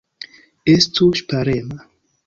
Estu ŝparema!